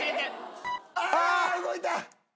あ動いた！